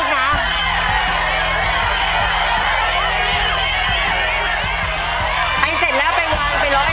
มันเผื่อจอดเร็วเดินจอดเร็ว